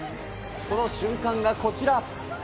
その瞬間がこちら。